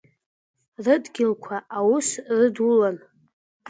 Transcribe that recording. Рыдгьылқәа аус рыдулан.